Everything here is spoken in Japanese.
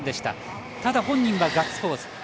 ただ、本人はガッツポーズ。